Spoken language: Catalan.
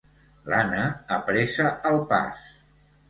L'Anna apressa el pas.